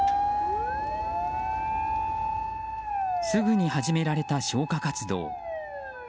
すぐに始められた消火活動。